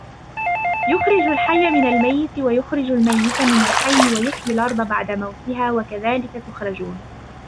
يخرج الحي من الميت ويخرج الميت من الحي ويحيي الأرض بعد موتها وكذلك تخرجون